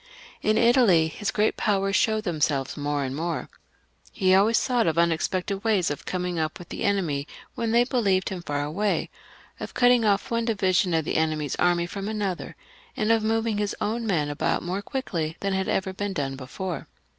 In Italy his great powers showed themselves more and more. He always thought of unexpected ways of coming up with the enemy when they thought him far away; of cutting off one division of the enemjr's army from another; and of moving his own men about more quickly than had ever been done before.